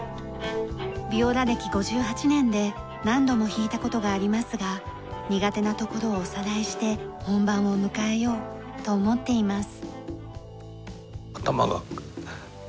ビオラ歴５８年で何度も弾いた事がありますが苦手なところをおさらいして本番を迎えようと思っています。